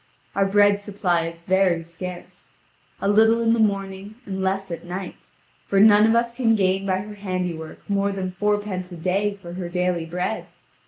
Our bread supply is very scarce a little in the morning and less at night, for none of us can gain by her handiwork more than fourpence a day for her daily bread.